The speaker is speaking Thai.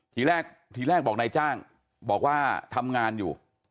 ทีแรกทีแรกบอกนายจ้างบอกว่าทำงานอยู่